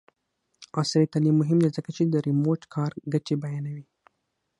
عصري تعلیم مهم دی ځکه چې د ریموټ کار ګټې بیانوي.